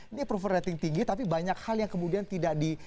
ini approval rating tinggi tapi banyak hal yang kemudian tidak di